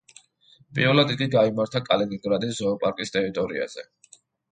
პირველად იგი გაიმართა კალინინგრადის ზოოპარკის ტერიტორიაზე.